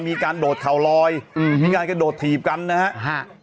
มีการโดดเข่าลอยมีการกระโดดถีบกันนะฮะ